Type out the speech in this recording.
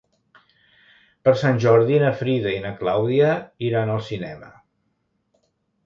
Per Sant Jordi na Frida i na Clàudia iran al cinema.